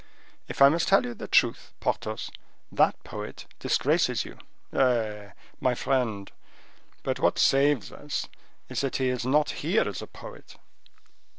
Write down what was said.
If I must tell you the truth, Porthos, that poet disgraces you." "Eh!—my friend; but what saves us is that he is not here as a poet."